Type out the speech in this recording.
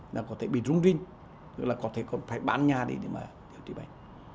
là có thể bị rung rinh có thể còn phải bán nhà để mà điều trị bệnh